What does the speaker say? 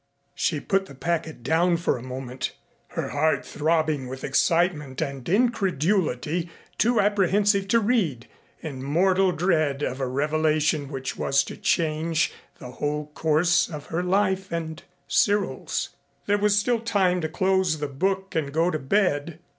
She put the packet down for a moment, her heart throbbing with excitement and incredulity, too apprehensive to read, in mortal dread of a revelation which was to change the whole course of her life and Cyril's. There was still time to close the book and go to bed.